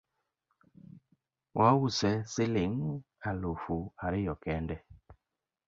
Wause siling alufu ariyo kende